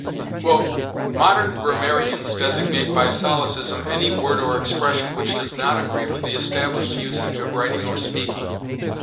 "Modern grammarians designate by solecism any word or expression which does not agree with the established usage of writing or speaking.